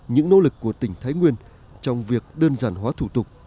những nỗ lực của tỉnh thái nguyên trong việc đơn giản hóa thủ tục